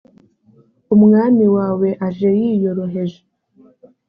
umwami wawe aje yiyoroheje